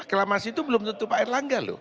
reklamasi itu belum tentu pak erlangga loh